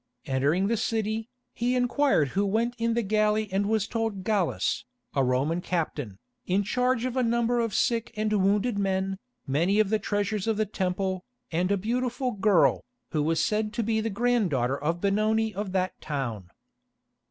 Entering the city, he inquired who went in the galley and was told Gallus, a Roman captain, in charge of a number of sick and wounded men, many of the treasures of the Temple, and a beautiful girl, who was said to be the grand daughter of Benoni of that town.